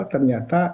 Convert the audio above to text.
ternyata oh ada